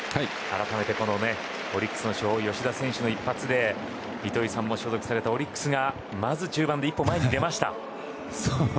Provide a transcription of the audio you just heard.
改めてオリックスの主砲吉田選手の一発で糸井さんも所属されたオリックスが中盤で一歩前に出ました。